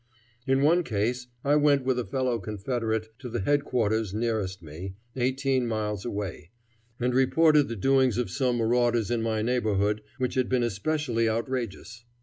In one case I went with a fellow Confederate to the head quarters nearest me, eighteen miles away, and reported the doings of some marauders in my neighborhood, which had been especially outrageous.